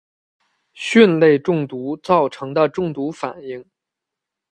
蕈类中毒造成的中毒反应。